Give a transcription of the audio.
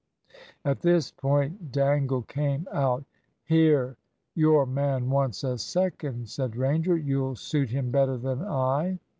At this point Dangle came out. "Here, your man wants a second," said Ranger; "you'll suit him better than I."